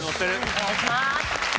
お願いします。